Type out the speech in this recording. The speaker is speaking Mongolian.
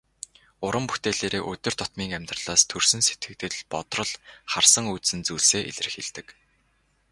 Уран бүтээлээрээ өдөр тутмын амьдралаас төрсөн сэтгэгдэл, бодрол, харсан үзсэн зүйлсээ илэрхийлдэг.